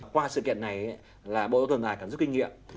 qua sự kiện này là bộ tổng giám đốc đã giúp kinh nghiệm